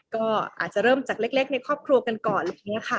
ก็อาจจะเริ่มจากเล็กในครอบครัวกันก่อนอะไรอย่างนี้ค่ะ